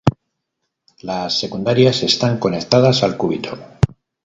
Las secundarias están conectadas al cúbito.